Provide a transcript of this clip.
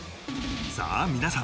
さあ皆さん